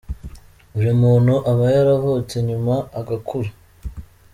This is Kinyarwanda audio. Buri muntu aba yaravutse nyuma agakura.